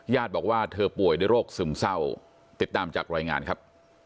บอกว่าเธอป่วยด้วยโรคซึมเศร้าติดตามจากรายงานครับ